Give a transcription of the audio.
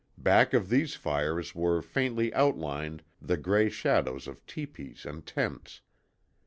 Back of these fires were faintly outlined the gray shadows of teepees and tents.